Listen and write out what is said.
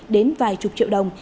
đến vài chục triệu đồng